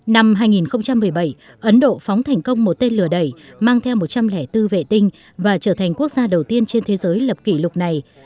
năm hai nghìn một mươi bảy ấn độ phóng thành công một tên lửa đẩy mang theo một trăm linh bốn vệ tinh và trở thành quốc gia đầu tiên trên thế giới lập kỷ lục này